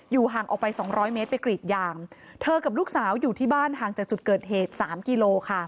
ห่างออกไปสองร้อยเมตรไปกรีดยางเธอกับลูกสาวอยู่ที่บ้านห่างจากจุดเกิดเหตุสามกิโลค่ะ